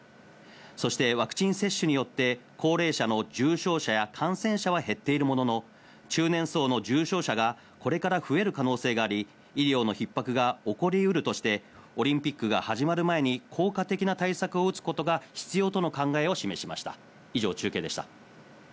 そしてワクチン接種によって高齢者の重症者や感染者は減っているものの、中年層の重症者がこれから増える可能性があり、医療の逼迫が起こりうるとしてオリンピックが始まる前に効果的な対策をすることが必要との考えを示しました。